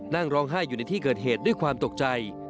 นั่งร้องไห้อยู่ในที่เกิดเหตุด้วยความตกใจ